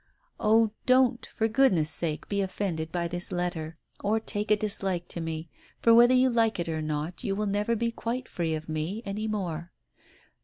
"Oh, don't for goodness' sake be offended by this letter, or take a dislike to me, for whether you like it or no, you will never be quite free of me, any more.